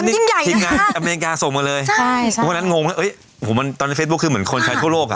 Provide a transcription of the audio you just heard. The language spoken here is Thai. นี่ทีงงานอเมริกาส่งมาเลยคุณคนนั้นงงเหลือเอ้ยโอ้โหมันตอนในเฟซบูลคือเหมือนคนใช้ทั่วโลกอ่ะ